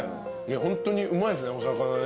ホントにうまいっすねお魚ね。